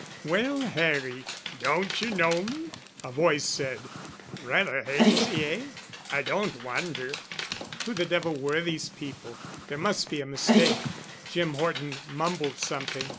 "Well, Harry, don't you know me?" a voice said. "Rather hazy, eh? I don't wonder...." Who the devil were these people? There must be a mistake. Jim Horton mumbled something.